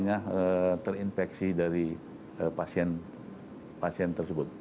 yang terinfeksi dari pasien pasien tersebut